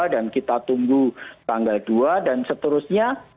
dan kita tunggu tanggal dua dan seterusnya